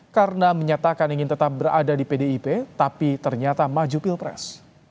karena menyatakan ingin tetap berada di pdip tapi ternyata maju pilpres